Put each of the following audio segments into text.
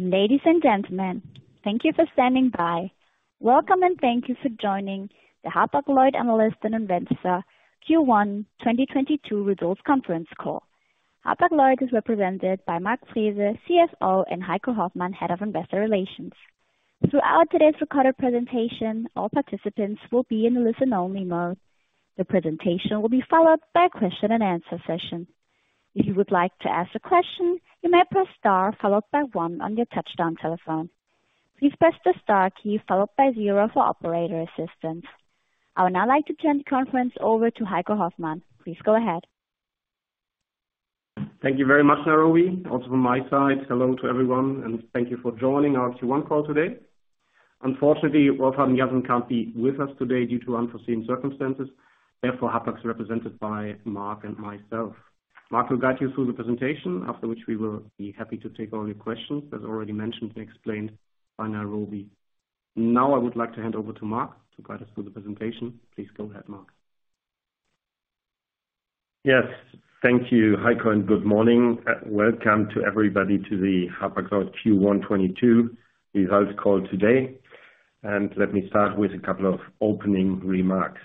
Ladies and gentlemen, thank you for standing by. Welcome and thank you for joining the Hapag-Lloyd Analyst and Investor Q1 2022 Results Conference Call. Hapag-Lloyd is represented by Mark Frese, CFO, and Heiko Hoffmann, Head of Investor Relations. Throughout today's recorded presentation, all participants will be in listen-only mode. The presentation will be followed by a question-and-answer session. If you would like to ask a question, you may press star followed by one on your touch-tone telephone. Please press the star key followed by zero for operator assistance. I would now like to turn the conference over to Heiko Hoffmann. Please go ahead. Thank you very much, Corrine. Also from my side, hello to everyone, and thank you for joining our Q1 call today. Unfortunately, Rolf Habben Jansen can't be with us today due to unforeseen circumstances. Therefore, Hapag's represented by Mark and myself. Mark will guide you through the presentation, after which we will be happy to take all your questions, as already mentioned and explained by Corrine. Now I would like to hand over to Mark to guide us through the presentation. Please go ahead, Mark. Yes, thank you, Heiko, and good morning. Welcome to everybody to the Hapag-Lloyd Q1 2022 Results Call today. Let me start with a couple of opening remarks.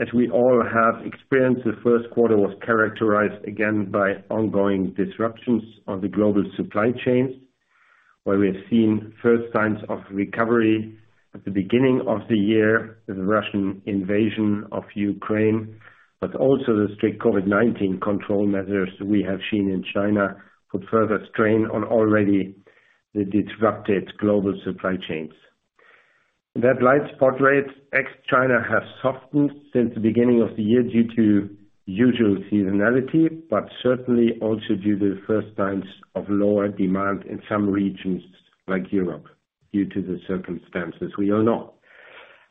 As we all have experienced, the first quarter was characterized again by ongoing disruptions of the global supply chains, where we have seen first signs of recovery at the beginning of the year with the Russian invasion of Ukraine, but also the strict COVID-19 control measures we have seen in China put further strain on already the disrupted global supply chains. That spot rate ex-China has softened since the beginning of the year due to usual seasonality, but certainly also due to first signs of lower demand in some regions like Europe due to the circumstances we all know.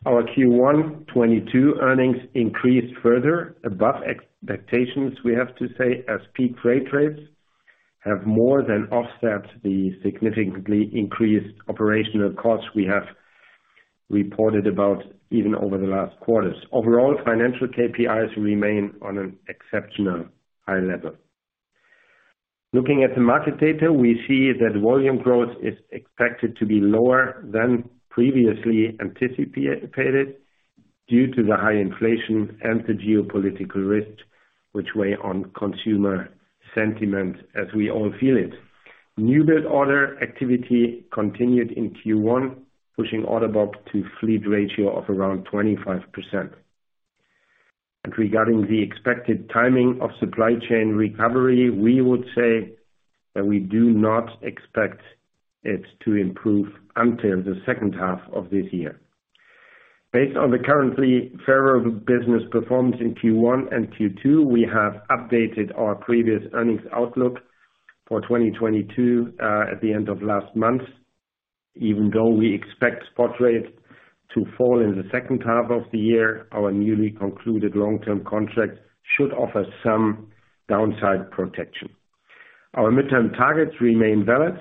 Our Q1 2022 earnings increased further above expectations, we have to say, as peak freight rates have more than offset the significantly increased operational costs we have reported about even over the last quarters. Overall, financial KPIs remain on an exceptional high level. Looking at the market data, we see that volume growth is expected to be lower than previously anticipated due to the high inflation and the geopolitical risks which weigh on consumer sentiment as we all feel it. New build order activity continued in Q1, pushing order book to fleet ratio of around 25%. Regarding the expected timing of supply chain recovery, we would say that we do not expect it to improve until the second half of this year. Based on the currently favorable business performance in Q1 and Q2, we have updated our previous earnings outlook for 2022 at the end of last month. Even though we expect spot rates to fall in the second half of the year, our newly concluded long-term contract should offer some downside protection. Our mid-term targets remain valid.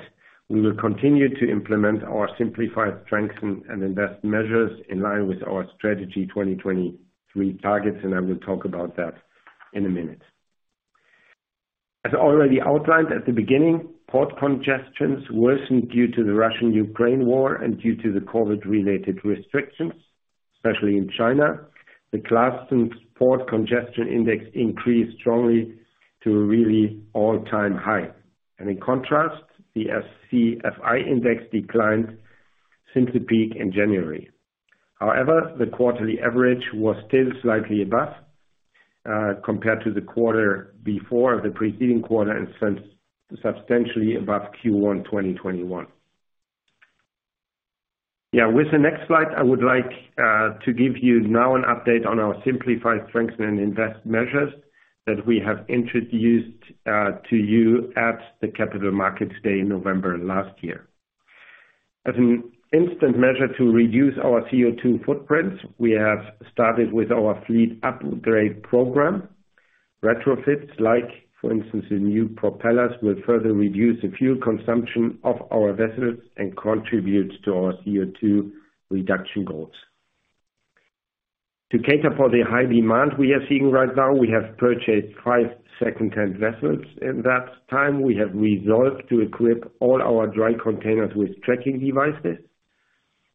We will continue to implement our simplify, strengthen, and invest measures in line with our Strategy 2023 targets, and I will talk about that in a minute. As already outlined at the beginning, port congestions worsened due to the Russo-Ukrainian war and due to the COVID-related restrictions, especially in China. The Clarksons Port Congestion Index increased strongly to a really all-time high. In contrast, the SCFI Index declined since the peak in January. However, the quarterly average was still slightly above compared to the quarter before the preceding quarter and substantially above Q1 2021. Yeah. With the next slide, I would like to give you now an update on our simplify, strengthen, and invest measures that we have introduced to you at the Capital Markets Day in November last year. As an instant measure to reduce our CO2 footprints, we have started with our fleet upgrade program. Retrofits, like for instance, the new propellers, will further reduce the fuel consumption of our vessels and contributes to our CO2 reduction goals. To cater for the high demand we are seeing right now, we have purchased five secondhand vessels. In that time, we have resolved to equip all our dry containers with tracking devices.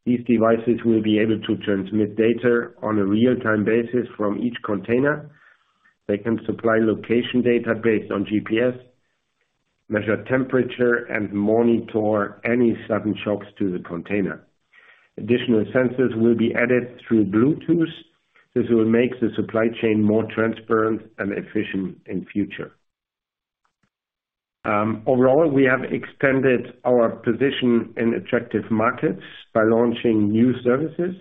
These devices will be able to transmit data on a real-time basis from each container. They can supply location data based on GPS, measure temperature, and monitor any sudden shocks to the container. Additional sensors will be added through Bluetooth. This will make the supply chain more transparent and efficient in future. Overall, we have extended our position in attractive markets by launching new services,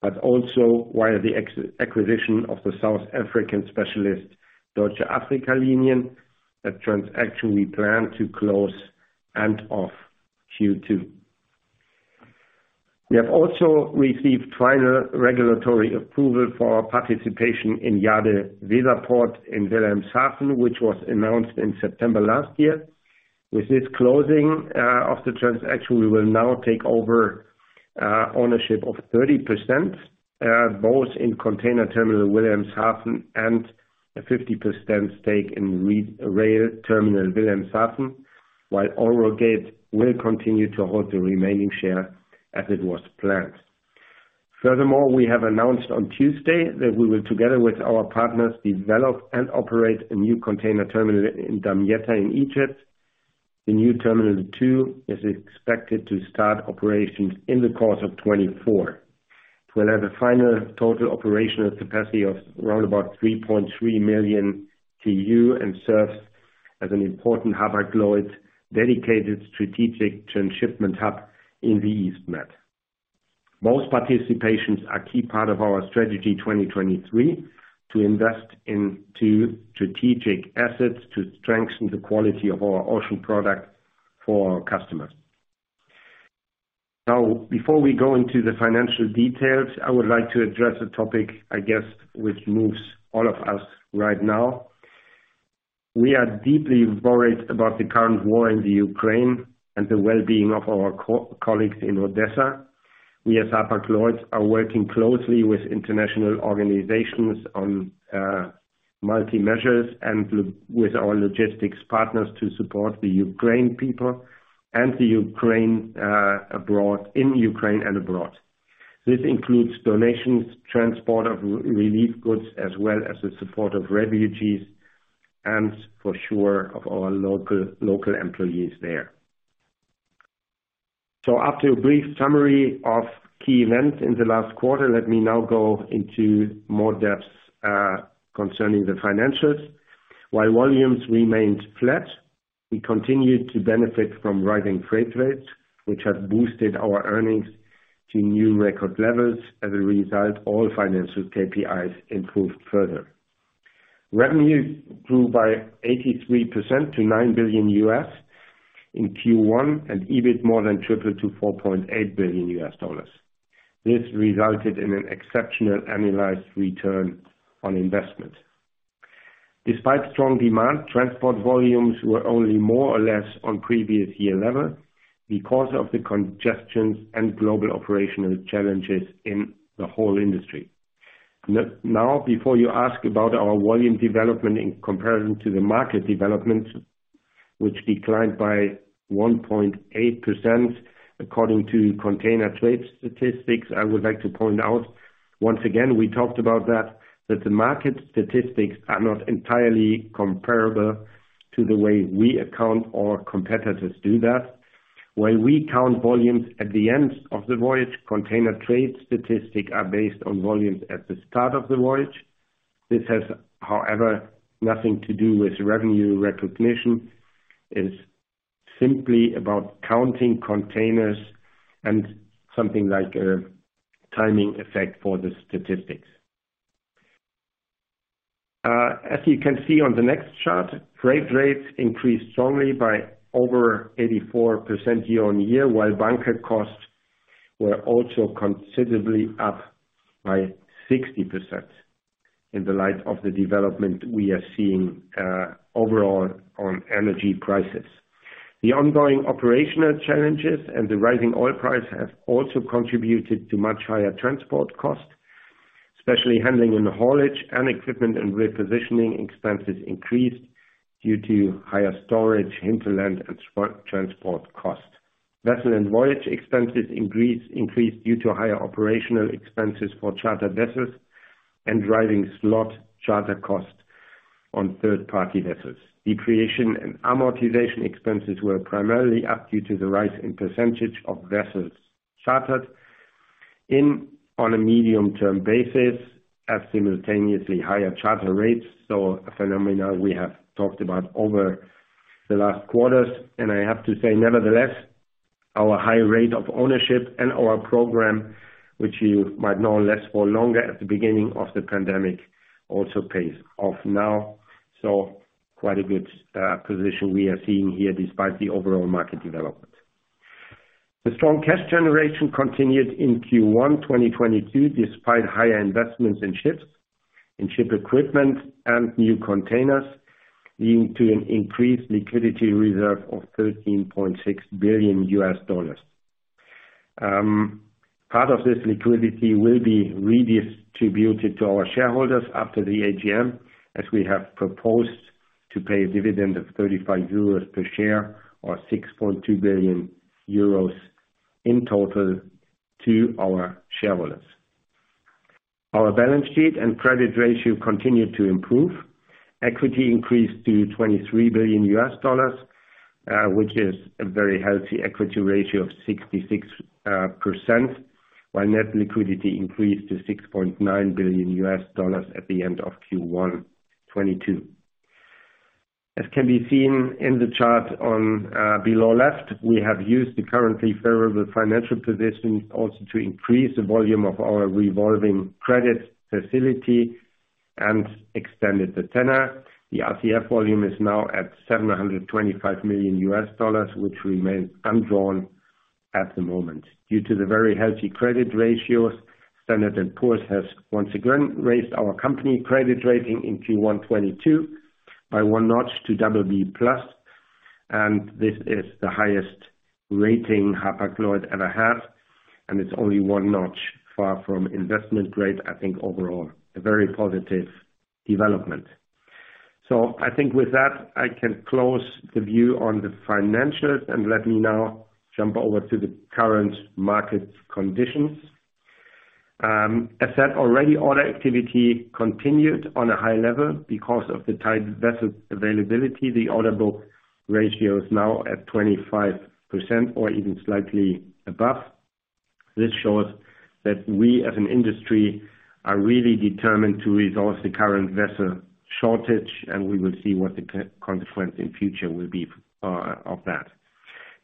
but also via the acquisition of the South African specialist, Deutsche Afrika-Linien. A transaction we plan to close end of Q2. We have also received final regulatory approval for our participation in JadeWeserPort in Wilhelmshaven, which was announced in September last year. With this closing of the transaction, we will now take over ownership of 30% both in Container Terminal Wilhelmshaven and a 50% stake in Rail Terminal Wilhelmshaven, while EUROGATE will continue to hold the remaining share as it was planned. Furthermore, we have announced on Tuesday that we will, together with our partners, develop and operate a new container terminal in Damietta in Egypt. The new terminal two is expected to start operations in the course of 2024. It will have a final total operational capacity of around about 3.3 million TEU and serves as an important Hapag-Lloyd dedicated strategic transshipment hub in the East Med. Most participations are a key part of our Strategy 2023 to invest into strategic assets to strengthen the quality of our ocean product for our customers. Now, before we go into the financial details, I would like to address a topic, I guess, which moves all of us right now. We are deeply worried about the current war in the Ukraine and the well-being of our colleagues in Odessa. We, as Hapag-Lloyd, are working closely with international organizations on multiple measures and with our logistics partners to support the Ukrainian people and the Ukraine abroad, in Ukraine and abroad. This includes donations, transport of relief goods, as well as the support of refugees and for sure, of our local employees there. After a brief summary of key events in the last quarter, let me now go into more depth concerning the financials. While volumes remained flat, we continued to benefit from rising freight rates, which have boosted our earnings to new record levels. As a result, all financial KPIs improved further. Revenue grew by 83% to $9 billion in Q1, and EBIT more than tripled to $4.8 billion. This resulted in an exceptional annualized return on investment. Despite strong demand, transport volumes were only more or less on previous year level because of the congestions and global operational challenges in the whole industry. Now, before you ask about our volume development in comparison to the market development, which declined by 1.8% according to Container Trades Statistics, I would like to point out once again we talked about that the market statistics are not entirely comparable to the way we account our competitors do that. While we count volumes at the end of the voyage, Container Trades Statistics are based on volumes at the start of the voyage. This has, however, nothing to do with revenue recognition. It's simply about counting containers and something like a timing effect for the statistics. As you can see on the next chart, freight rates increased strongly by over 84% year-on-year, while bunker costs were also considerably up by 60% in the light of the development we are seeing overall on energy prices. The ongoing operational challenges and the rising oil price have also contributed to much higher transport costs, especially handling and haulage and equipment and repositioning expenses increased due to higher storage hinterland and transport costs. Vessel and voyage expenses increased due to higher operational expenses for charter vessels and rising slot charter costs on third-party vessels. Depreciation and amortization expenses were primarily up due to the rise in percentage of vessels chartered in on a medium-term basis at simultaneously higher charter rates, so a phenomenon we have talked about over the last quarters. I have to say, nevertheless, our high rate of ownership and our program, which you might know, Less or Longer at the beginning of the pandemic, also pays off now. Quite a good position we are seeing here despite the overall market development. The strong cash generation continued in Q1 2022, despite higher investments in ships, in ship equipment and new containers, leading to an increased liquidity reserve of $13.6 billion. Part of this liquidity will be redistributed to our shareholders after the AGM, as we have proposed to pay a dividend of 35 euros per share or 6.2 billion euros in total to our shareholders. Our balance sheet and credit ratio continued to improve. Equity increased to $23 billion, which is a very healthy equity ratio of 66%, while net liquidity increased to $6.9 billion at the end of Q1 2022. As can be seen in the chart on below left, we have used the currently favorable financial position also to increase the volume of our revolving credit facility and extended the tenor. The RCF volume is now at $725 million, which remains undrawn at the moment. Due to the very healthy credit ratios, Standard & Poor's has once again raised our company credit rating in Q1 2022 by one notch to BB+. This is the highest rating Hapag-Lloyd ever had, and it's only one notch far from investment grade. I think overall, a very positive development. I think with that, I can close the view on the financials, and let me now jump over to the current market conditions. As said already, order activity continued on a high level because of the tight vessel availability. The order book ratio is now at 25% or even slightly above. This shows that we, as an industry, are really determined to resolve the current vessel shortage, and we will see what the consequence in future will be, of that.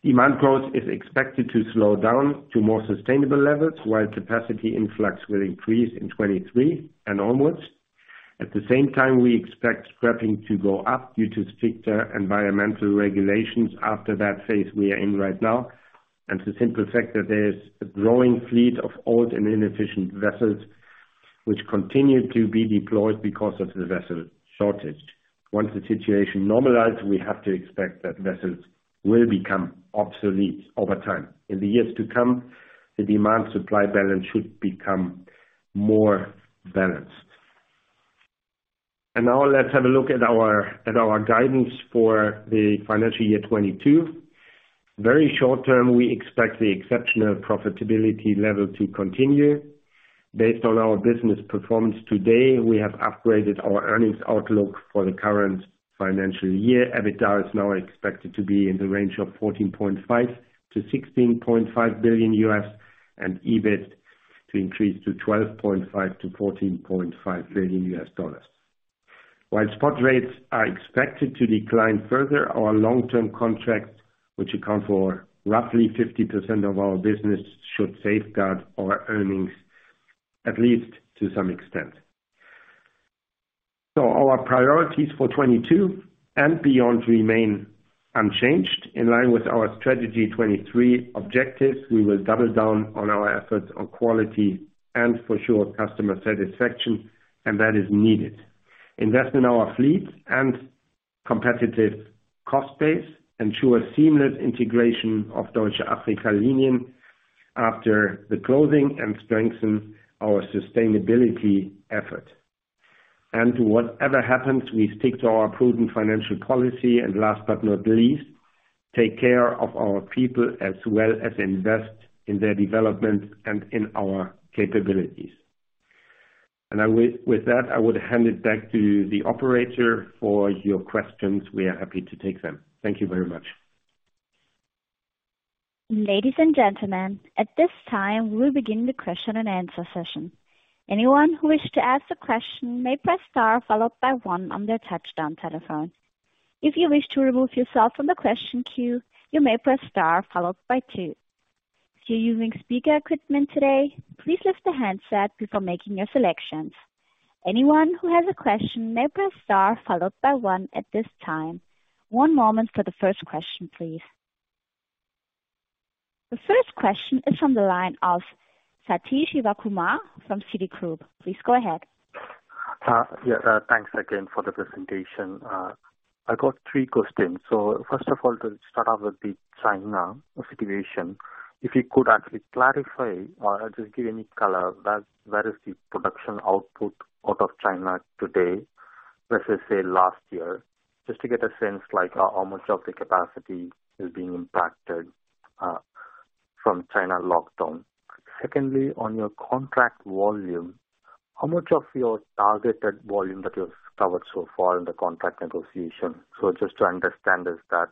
Demand growth is expected to slow down to more sustainable levels, while capacity influx will increase in 2023 and onwards. At the same time, we expect scrapping to go up due to stricter environmental regulations after that phase we are in right now, and the simple fact that there is a growing fleet of old and inefficient vessels which continue to be deployed because of the vessel shortage. Once the situation normalizes, we have to expect that vessels will become obsolete over time. In the years to come, the demand-supply balance should become more balanced. Now let's have a look at our guidance for the financial year 2022. Very short term, we expect the exceptional profitability level to continue. Based on our business performance today, we have upgraded our earnings outlook for the current financial year. EBITDA is now expected to be in the range of $14.5 billion-$16.5 billion, and EBIT to increase to $12.5 billion-$14.5 billion. While spot rates are expected to decline further, our long-term contracts, which account for roughly 50% of our business, should safeguard our earnings, at least to some extent. Our priorities for 2022 and beyond remain unchanged. In line with our Strategy 2023 objectives, we will double down on our efforts on quality and for sure customer satisfaction, and that is needed. Invest in our fleet and competitive cost base, ensure seamless integration of Deutsche Afrika-Linien after the closing, and strengthen our sustainability effort. Whatever happens, we stick to our prudent financial policy, and last but not least, take care of our people as well as invest in their development and in our capabilities. With that, I would hand it back to the operator for your questions. We are happy to take them. Thank you very much. Ladies and gentlemen, at this time, we'll begin the question and answer session. Anyone who wishes to ask a question may press star followed by one on their touch-tone telephone. If you wish to remove yourself from the question queue, you may press star followed by two. If you're using speaker equipment today, please lift the handset before making your selections. Anyone who has a question may press star followed by one at this time. One moment for the first question, please. The first question is from the line of Sathish Sivakumar from Citigroup. Please go ahead. Yeah. Thanks again for the presentation. I got three questions. First of all, to start off with the China situation, if you could actually clarify or just give any color, where is the production output out of China today versus, say, last year? Just to get a sense like how much of the capacity is being impacted from China lockdown. Secondly, on your contract volume, how much of your targeted volume that you have covered so far in the contract negotiation? Just to understand, is that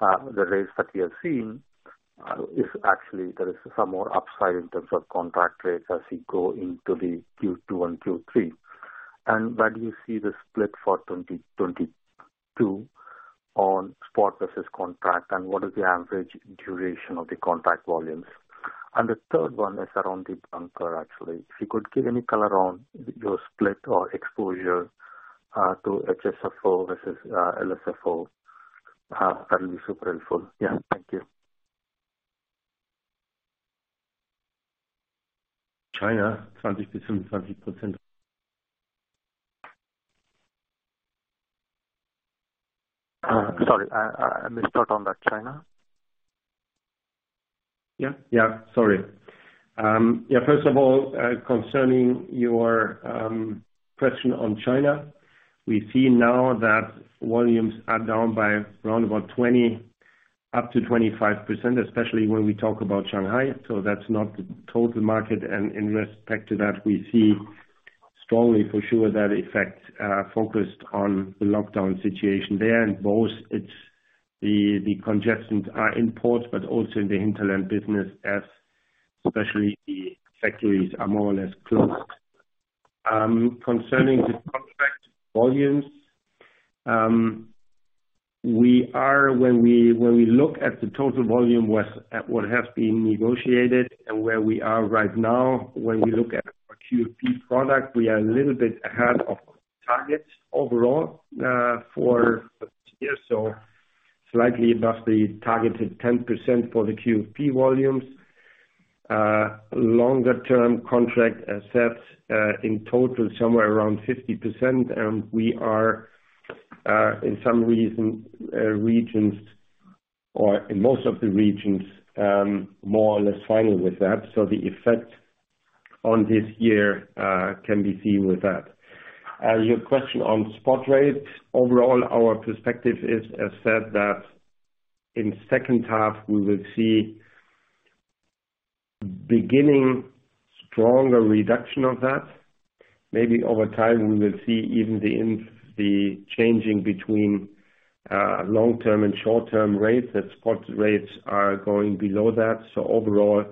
the rates that we have seen is actually there is some more upside in terms of contract rates as we go into the Q2 and Q3. Where do you see the split for 2022 on spot versus contract? What is the average duration of the contract volumes? The third one is around the bunker, actually. If you could give any color on your split or exposure to HSFO versus LSFO, that'd be super helpful. Yeah. Thank you. China, 20%-25%. I missed out on that, China. Yeah. Sorry. Yeah, first of all, concerning your question on China, we see now that volumes are down by around about 20%-25%, especially when we talk about Shanghai. So that's not the total market. In respect to that, we see strongly for sure that effect, focused on the lockdown situation there. Both it's the congestion are in port, but also in the hinterland business as especially the factories are more or less closed. Concerning the contract volumes, when we look at the total volume with what has been negotiated and where we are right now, when we look at our QFP product, we are a little bit ahead of targets overall for this year, so slightly above the targeted 10% for the QFP volumes. Longer term contract assets in total somewhere around 50%, and we are in some regions or in most of the regions more or less final with that, so the effect on this year can be seen with that. Your question on spot rates. Overall, our perspective is, as said, that in second half we will see beginning stronger reduction of that, maybe over time, we will see even the changing between long-term and short-term rates, that spot rates are going below that. Overall,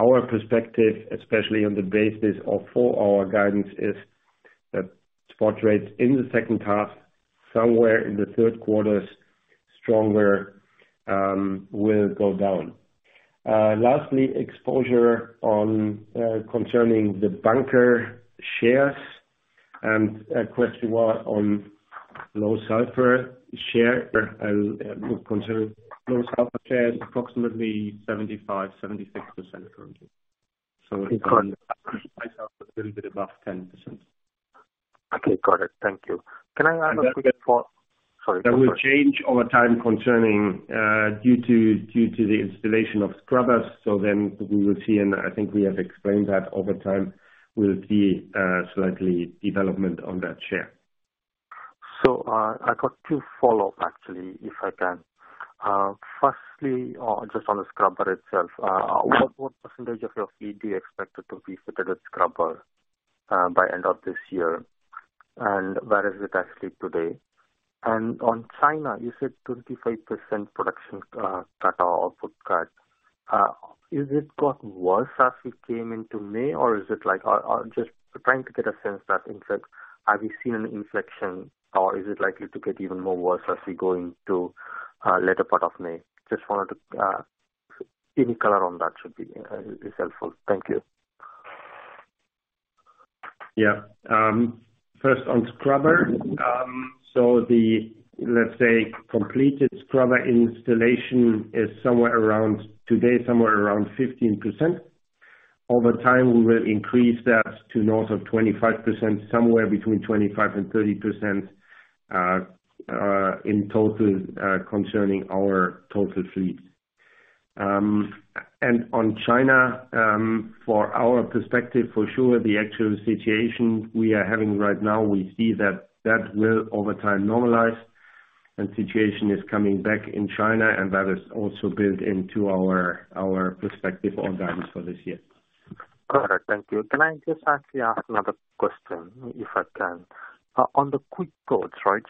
our perspective, especially on the basis of full year guidance, is that spot rates in the second half, somewhere in the third quarter, stronger will go down. Lastly, exposure concerning the bunker shares and question was on low sulfur share, concerning low sulfur share approximately 75%-76% currently. Okay, got it. It's a little bit above 10%. Okay, got it. Thank you. Can I ask a quick follow-up? Sorry. That will change over time concerning due to the installation of scrubbers. We will see, and I think we have explained that over time will see slight development on that share. I got two follow-up actually, if I can. Firstly on, just on the scrubber itself. What percentage of your fleet do you expect it to be fitted with scrubber by end of this year, and where is it actually today? On China, you said 35% production cut or output cut. Is it got worse as we came into May, or is it like. Just trying to get a sense that in fact, have you seen an inflection or is it likely to get even more worse as we go into later part of May? Just wanted to any color on that should be is helpful. Thank you. Yeah. First on scrubber. So the, let's say, completed scrubber installation is somewhere around, today, somewhere around 15%. Over time, we will increase that to north of 25%, somewhere between 25% and 30%, in total, concerning our total fleet. On China, for our perspective, for sure, the actual situation we are having right now, we see that that will over time normalize and situation is coming back in China, and that is also built into our perspective on guidance for this year. Got it. Thank you. Can I just actually ask another question, if I can? On the quick quotes, right?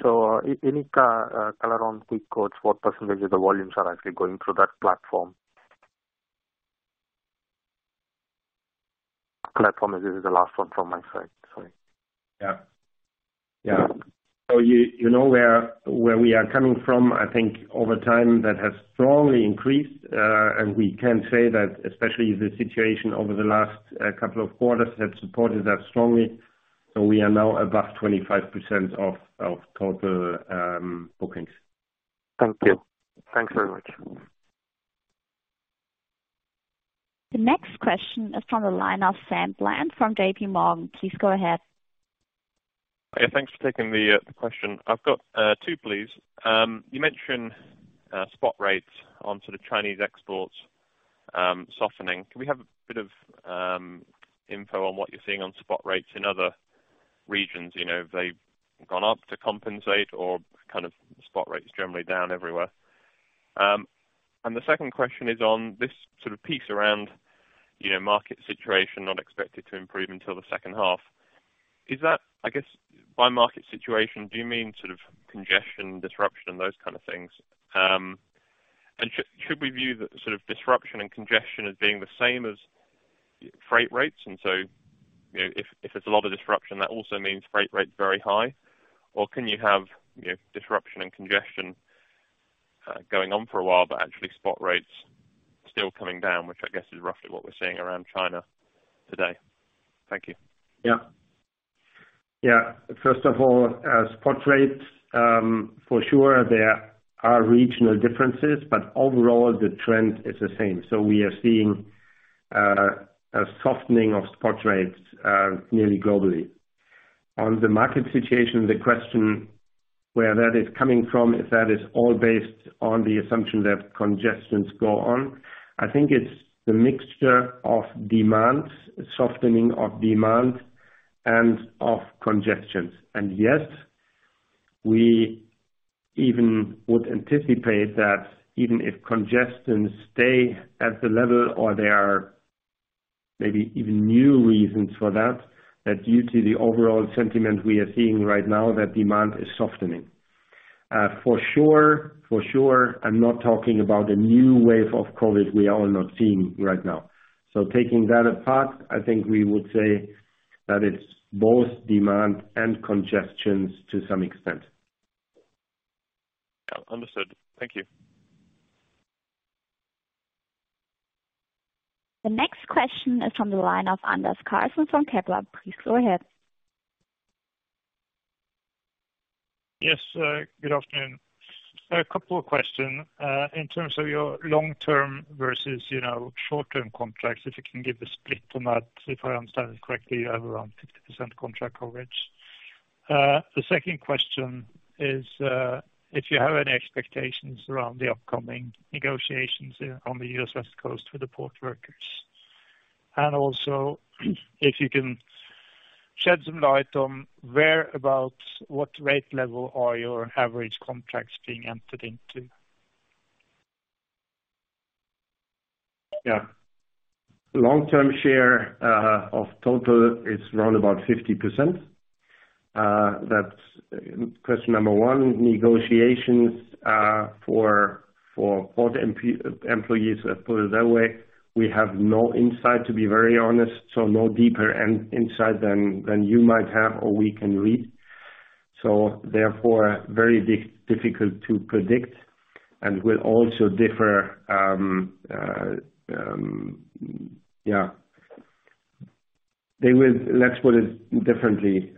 Any color on quick quotes, what percentage of the volumes are actually going through that platform? I promise this is the last one from my side. Sorry. Where we are coming from. I think over time that has strongly increased, and we can say that especially the situation over the last couple of quarters have supported that strongly. We are now above 25% of total bookings. Thank you. Thanks very much. The next question is from the line of Sam Bland from JP Morgan. Please go ahead. Yeah, thanks for taking the question. I've got two, please. You mentioned spot rates onto the Chinese exports softening. Can we have a bit of info on what you're seeing on spot rates in other regions? Have they gone up to compensate or kind of spot rates generally down everywhere? The second question is on this sort of piece around market situation not expected to improve until the second half. Is that, I guess by market situation, do you mean sort of congestion, disruption, those kind of things? Should we view the sort of disruption and congestion as being the same as freight rates? If there's a lot of disruption, that also means freight rates very high? Can you have disruption and congestion going on for a while, but actually spot rates still coming down, which I guess is roughly what we're seeing around China today. Thank you. Yeah. Yeah, first of all, spot rates, for sure there are regional differences, but overall the trend is the same. We are seeing a softening of spot rates nearly globally. On the market situation, the question where that is coming from, if that is all based on the assumption that congestions go on, I think it's the mixture of demands, softening of demand and of congestions. Yes, we even would anticipate that even if congestions stay at the level or there are maybe even new reasons for that due to the overall sentiment we are seeing right now, that demand is softening. For sure, I'm not talking about a new wave of COVID we are not seeing right now. Taking that apart, I think we would say that it's both demand and congestions to some extent. Yeah. Understood. Thank you. The next question is from the line of Anders Karlsen from Kepler Cheuvreux. Please go ahead. Yes, good afternoon. A couple of questions. In terms of your long-term versus short-term contracts, if you can give a split on that. If I understand correctly, you have around 50% contract coverage. The second question is, if you have any expectations around the upcoming negotiations on the U.S. West Coast with the port workers. Also, if you can shed some light on whereabouts, what rate level are your average contracts being entered into? Yeah. Long-term share of total is around about 50%. That's question number one. Negotiations for port employees, let's put it that way, we have no insight, to be very honest, so no deeper insight than you might have or we can read. Therefore, very difficult to predict and will also differ. Let's put it differently.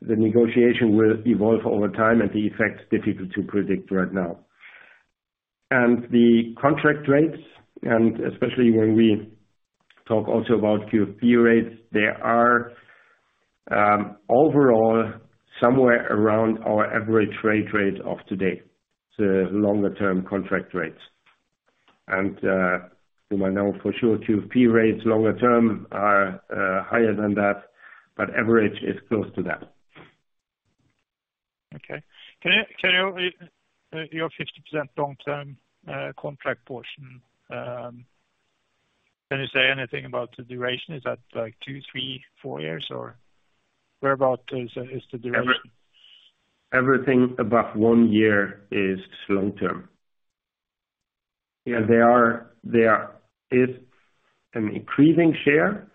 The negotiation will evolve over time, and the effect, difficult to predict right now. The contract rates, especially when we talk also about QFP rates, they are overall somewhere around our average rate of today, the longer-term contract rates. You might know for sure QFP rates longer term are higher than that, but average is close to that. Okay. Can you your 50% long-term contract portion say anything about the duration? Is that, like, two, three, four years, or whereabouts is the duration? Everything above one year is long term. Yeah, there are, there is an increasing share,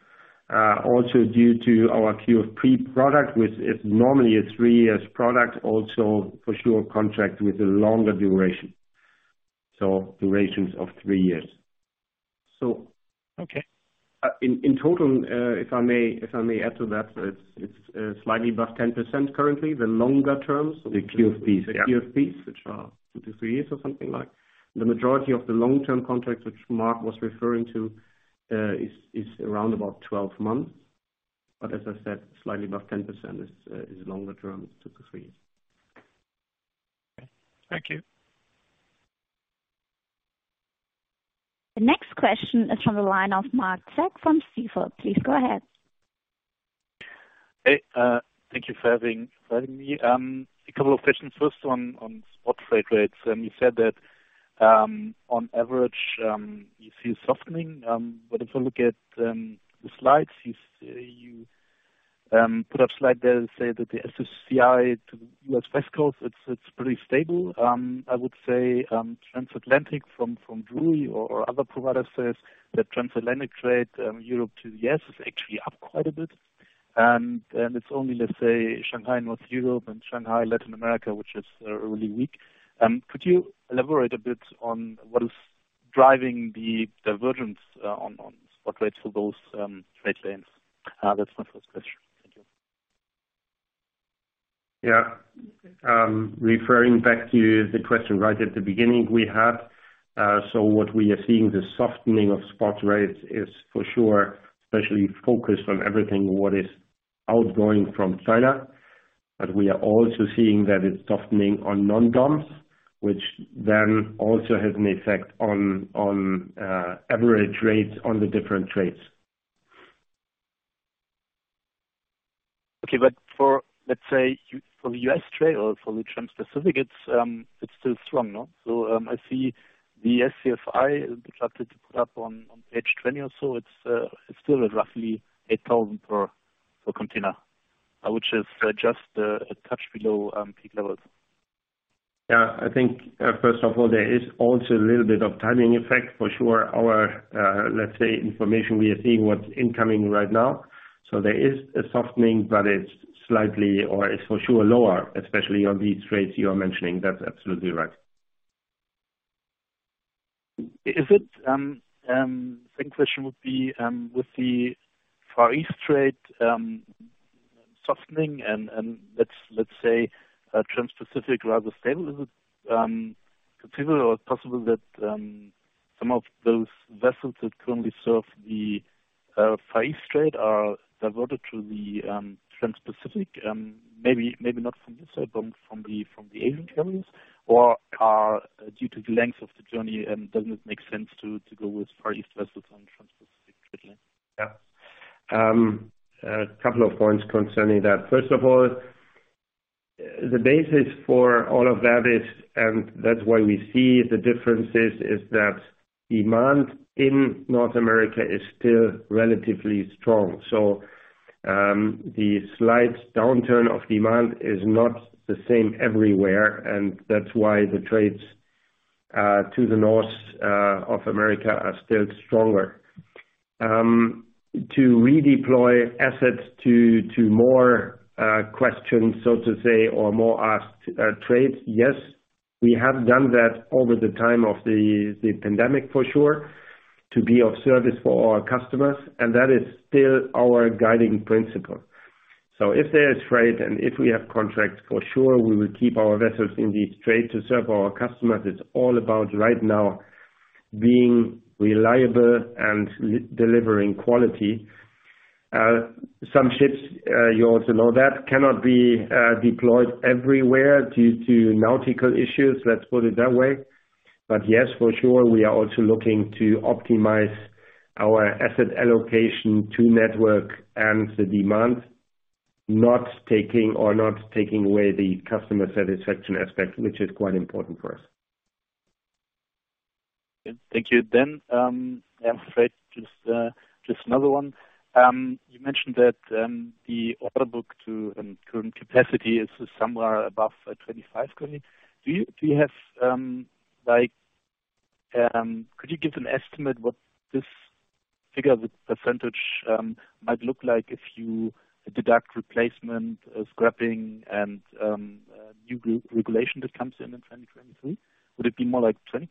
also due to our QFP product, which is normally a three years product, also for sure contract with a longer duration. Durations of three years. Okay. In total, if I may add to that, it's slightly above 10% currently, the longer terms. The QFPs, yeah. The QFPs, which are two to three years or something like. The majority of the long-term contracts which Mark was referring to is around about 12 months. As I said, slightly above 10% is longer term, two to three years. Okay. Thank you. The next question is from the line of Marc Zeck from Jefferies. Please go ahead. Hey, thank you for having me. A couple of questions first on spot freight rates. You said that on average you see a softening. But if you look at the slides, you put up slide there that say that the SCFI to U.S. West Coast, it's pretty stable. I would say, Transatlantic from Drewry or other providers says that Transatlantic rate, Europe to U.S. is actually up quite a bit. It's only Shanghai, North Europe and Shanghai, Latin America, which is really weak. Could you elaborate a bit on what is driving the divergence on spot rates for those trade lanes? That's my first question. Thank you. Yeah. Referring back to the question right at the beginning we had, so what we are seeing, the softening of spot rates is for sure especially focused on everything that is outgoing from China. We are also seeing that it's softening on non-dumps, which then also has an effect on average rates on the different trades. For, let's say, for the U.S. trade or for the Transpacific, it's still strong, no? I see the SCFI, the chart that you put up on page 20 or so. It's still at roughly $8,000 per container, which is just a touch below peak levels. Yeah. I think, first of all, there is also a little bit of timing effect. For sure, our, let's say, information we are seeing what's incoming right now. There is a softening, but it's slightly or it's for sure lower, especially on these trades you are mentioning. That's absolutely right. Second question would be, with the Far East trade softening and let's say Transpacific rather stable, is it conceivable or possible that some of those vessels that currently serve the Far East trade are diverted to the Transpacific? Maybe not from this side, but from the Asian carriers. Or, due to the length of the journey, doesn't it make sense to go with Far East vessels on Transpacific trade lane? Yeah. A couple of points concerning that. First of all, the basis for all of that is, and that's why we see the differences, is that demand in North America is still relatively strong. The slight downturn of demand is not the same everywhere, and that's why the trades to the North of America are still stronger. To redeploy assets to more questionable, so to say, or more asked trades, yes. We have done that over the time of the pandemic for sure. To be of service for our customers, and that is still our guiding principle. If there is freight and if we have contracts, for sure we will keep our vessels in the trade to serve our customers. It's all about right now being reliable and delivering quality. Some ships, you also know that, cannot be deployed everywhere due to nautical issues, let's put it that way. Yes, for sure, we are also looking to optimize our asset allocation to network and the demand, not taking away the customer satisfaction aspect, which is quite important for us. Thank you. Yeah, [Fred], just another one. You mentioned that the order book to current capacity is somewhere above 25. Do you have like could you give an estimate what this figure, the percentage, might look like if you deduct replacement, scrapping and new group regulation that comes in in 2023? Would it be more like 20%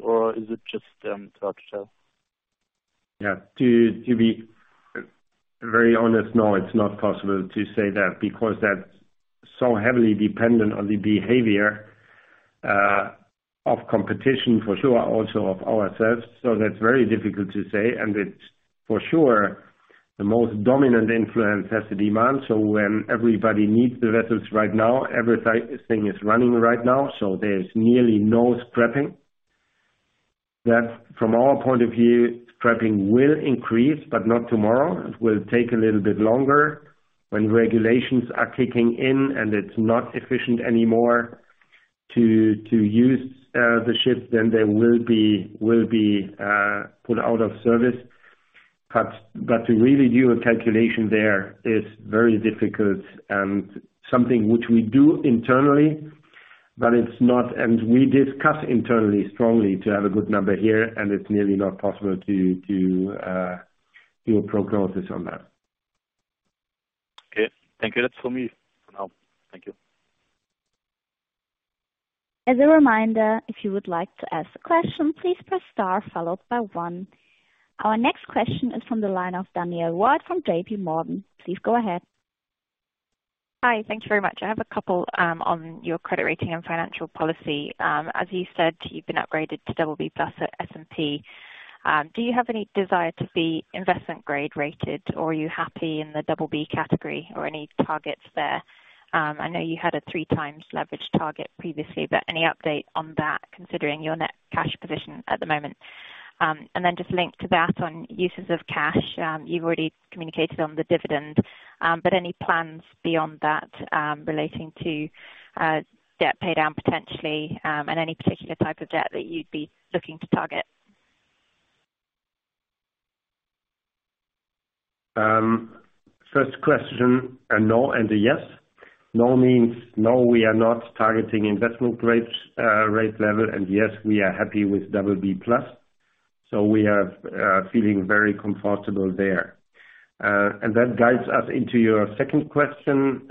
or is it just touch and go? Yeah. To be very honest, no, it's not possible to say that because that's so heavily dependent on the behavior of competition for sure, also of ourselves. That's very difficult to say. It's for sure the most dominant influence has the demand. When everybody needs the vessels right now, every type of thing is running right now, so there's nearly no scrapping. That from our point of view, scrapping will increase, but not tomorrow. It will take a little bit longer. When regulations are kicking in and it's not efficient anymore to use the ships, then they will be put out of service. To really do a calculation there is very difficult and something which we do internally, but it's not. We discuss internally strongly to have a good number here, and it's nearly not possible to do a prognosis on that. Okay. Thank you. That's for me for now. Thank you. As a reminder, if you would like to ask a question, please press star followed by one. Our next question is from the line of Danielle Ward from J.P. Morgan. Please go ahead. Hi. Thank you very much. I have a couple on your credit rating and financial policy. As you said, you've been upgraded to BB+ at S&P. Do you have any desire to be investment grade rated, or are you happy in the BB category or any targets there? I know you had a 3x leverage target previously, but any update on that considering your net cash position at the moment? Just linked to that on uses of cash, you've already communicated on the dividend, but any plans beyond that, relating to debt paydown potentially, and any particular type of debt that you'd be looking to target? First question, a no and a yes. No means no, we are not targeting investment grade rating level, and yes, we are happy with BB+. We are feeling very comfortable there. And that guides us into your second question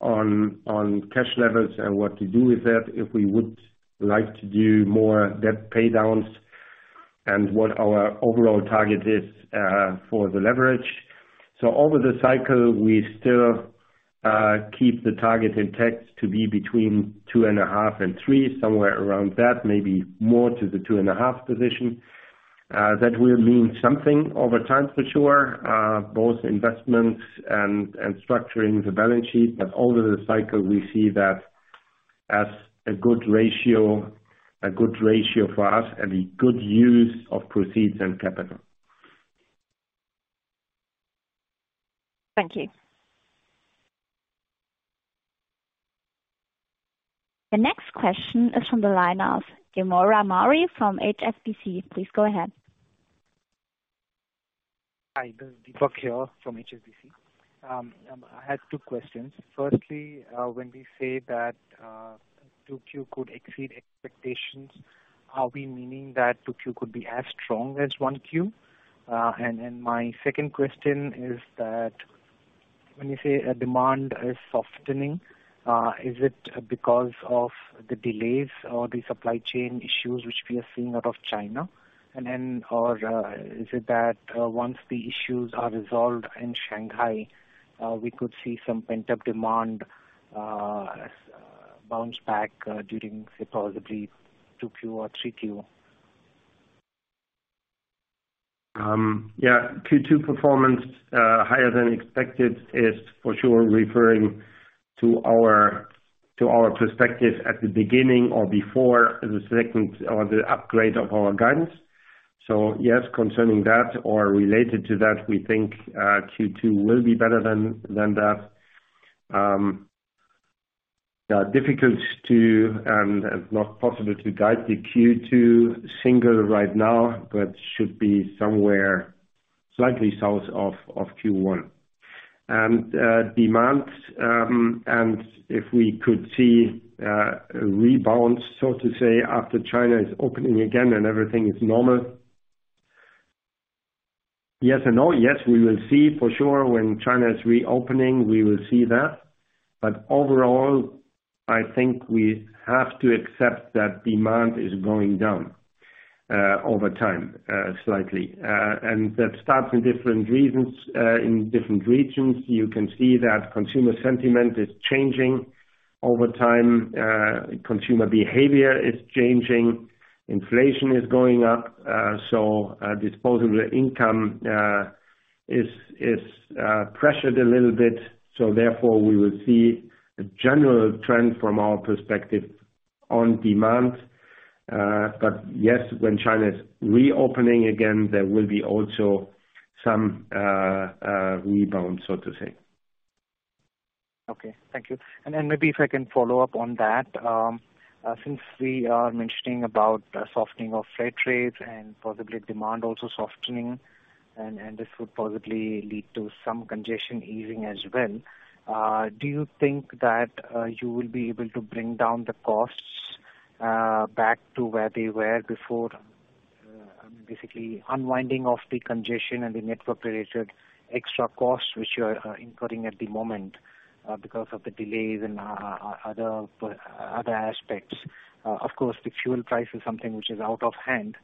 on cash levels and what to do with that, if we would like to do more debt paydowns and what our overall target is for the leverage. Over the cycle, we still keep the target intact to be between 2.5 and 3, somewhere around that, maybe more to the 2.5 position. That will mean something over time for sure, both investments and structuring the balance sheet. Over the cycle, we see that as a good ratio for us and a good use of proceeds and capital. Thank you. The next question is from the line of Deepak Maurya from HSBC. Please go ahead. Hi, Deepak here from HSBC. I had two questions. Firstly, when we say that 2Q could exceed expectations, are we meaning that 2Q could be as strong as 1Q? My second question is that when you say demand is softening, is it because of the delays or the supply chain issues which we are seeing out of China? Or is it that once the issues are resolved in Shanghai, we could see some pent-up demand bounce back during, say, possibly 2Q or 3Q? Yeah. Q2 performance higher than expected is for sure referring to our perspective at the beginning or before the second or the upgrade of our guidance. Yes, concerning that or related to that, we think Q2 will be better than that. Not possible to guide the Q2 single right now, but should be somewhere slightly south of Q1. Demand and if we could see a rebound, so to say, after China is opening again and everything is normal. Yes and no. Yes, we will see for sure when China is reopening, we will see that. Overall, I think we have to accept that demand is going down over time slightly. That starts in different reasons in different regions. You can see that consumer sentiment is changing over time. Consumer behavior is changing, inflation is going up. Disposable income is pressured a little bit. Therefore, we will see a general trend from our perspective on demand. Yes, when China is reopening again, there will be also some rebound, so to say. Okay. Thank you. Maybe if I can follow up on that. Since we are mentioning about softening of freight rates and possibly demand also softening, and this would possibly lead to some congestion easing as well, do you think that you will be able to bring down the costs back to where they were before? Basically unwinding of the congestion and the network-related extra costs which you are incurring at the moment because of the delays and other aspects. Of course, the fuel price is something which is out of hand.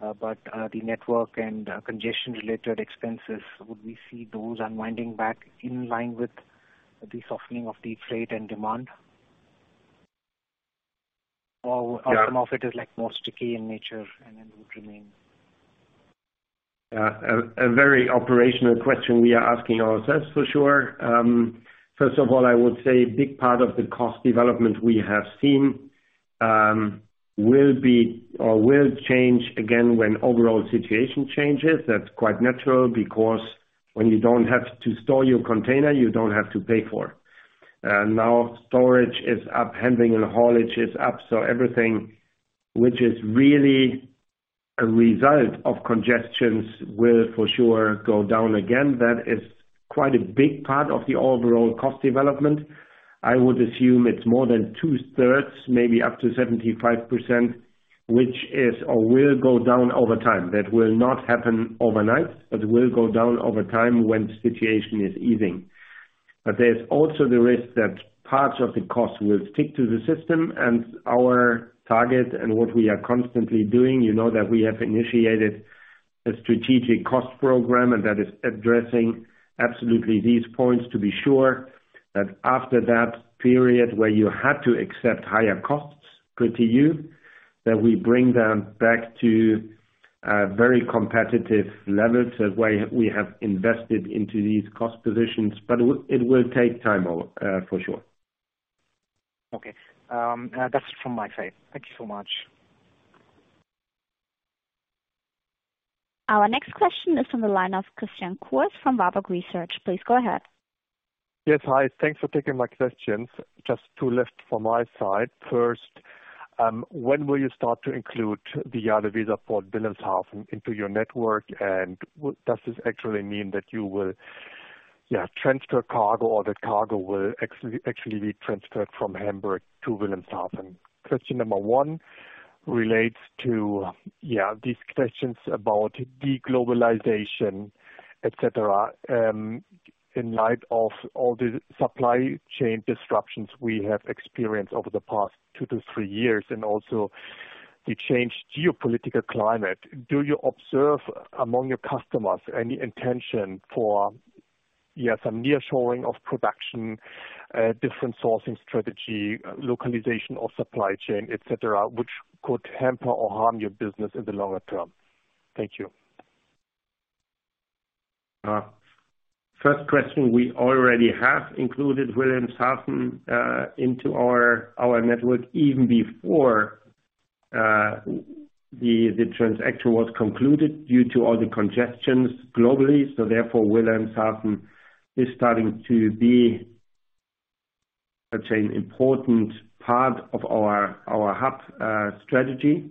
The network and congestion-related expenses, would we see those unwinding back in line with the softening of the freight and demand? Some of it is, like, more sticky in nature and then would remain. Yeah. A very operational question we are asking ourselves for sure. First of all, I would say a big part of the cost development we have seen will be or will change again when overall situation changes. That's quite natural because when you don't have to store your container, you don't have to pay for it. Now storage is up, handling and haulage is up. Everything which is really a result of congestions will for sure go down again. That is quite a big part of the overall cost development. I would assume it's more than two-thirds, maybe up to 75%, which is or will go down over time. That will not happen overnight, but will go down over time when situation is easing. There's also the risk that parts of the cost will stick to the system and our target and what we are constantly doing. that we have initiated a strategic cost program, and that is addressing absolutely these points to be sure that after that period where you had to accept higher costs got to you, that we bring them back to a very competitive level. That's why we have invested into these cost positions. It will take time, for sure. Okay. That's from my side. Thank you so much. Our next question is from the line of Christian Cohrs from Warburg Research. Please go ahead. Yes. Hi. Thanks for taking my questions. Just two left from my side. First, when will you start to include the JadeWeserPort Wilhelmshaven into your network? And does this actually mean that you will, yeah, transfer cargo or the cargo will actually be transferred from Hamburg to Wilhelmshaven? Question number one relates to, yeah, these questions about de-globalization, et cetera. In light of all the supply chain disruptions we have experienced over the past two to three years and also the changed geopolitical climate, do you observe among your customers any intention for, yeah, some nearshoring of production, different sourcing strategy, localization of supply chain, et cetera, which could hamper or harm your business in the longer term? Thank you. First question, we already have included Wilhelmshaven into our network even before the transaction was concluded due to all the congestions globally. Therefore, Wilhelmshaven is starting to be, let's say, an important part of our hub strategy.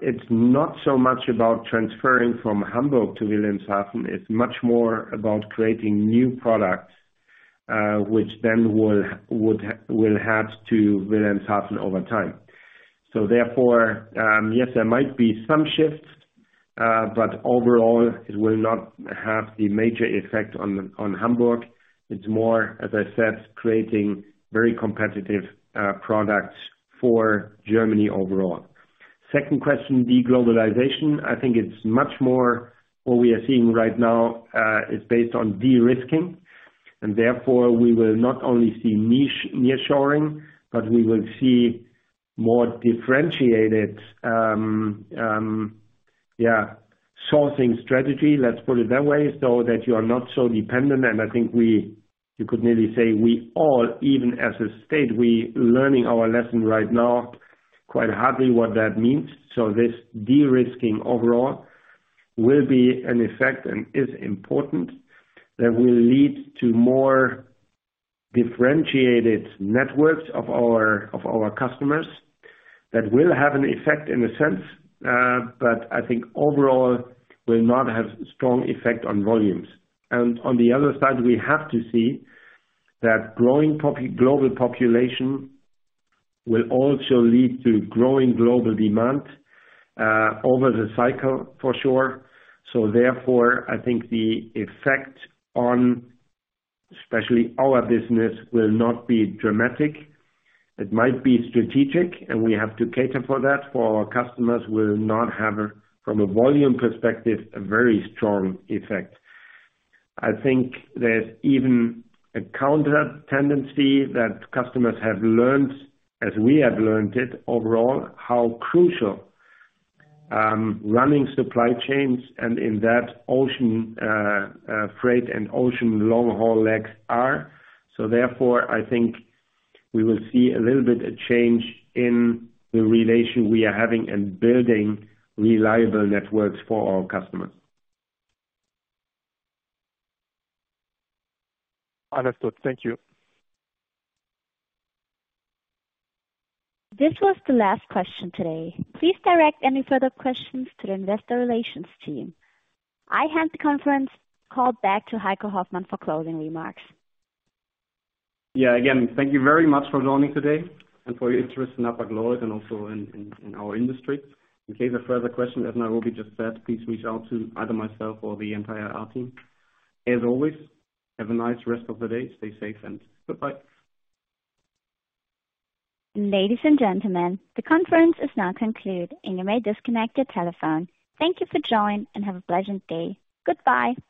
It's not so much about transferring from Hamburg to Wilhelmshaven. It's much more about creating new products, which then will head to Wilhelmshaven over time. Therefore, yes, there might be some shifts, but overall it will not have the major effect on Hamburg. It's more, as I said, creating very competitive products for Germany overall. Second question, de-globalization. I think it's much more what we are seeing right now is based on de-risking, and therefore we will not only see niche nearshoring, but we will see more differentiated sourcing strategy, let's put it that way, so that you are not so dependent. I think you could nearly say we all, even as a state, we're learning our lesson right now quite hard what that means. This de-risking overall will be an effect and is important that will lead to more differentiated networks of our customers that will have an effect in a sense. I think overall will not have strong effect on volumes. On the other side, we have to see that growing global population will also lead to growing global demand over the cycle for sure. Therefore, I think the effect on especially our business will not be dramatic. It might be strategic, and we have to cater for that, for our customers will not have, from a volume perspective, a very strong effect. I think there's even a counter tendency that customers have learned, as we have learned it overall, how crucial running supply chains and in that ocean freight and ocean long haul legs are. Therefore, I think we will see a little bit a change in the relation we are having and building reliable networks for our customers. Understood. Thank you. This was the last question today. Please direct any further questions to the investor relations team. I hand the conference call back to Heiko Hoffmann for closing remarks. Yeah. Again, thank you very much for joining today and for your interest in Hapag-Lloyd and also in our industry. In case of further question, as Corrine just said, please reach out to either myself or the entire IR team. As always, have a nice rest of the day. Stay safe and goodbye. Ladies and gentlemen, the conference is now concluded and you may disconnect your telephone. Thank you for joining and have a pleasant day. Goodbye.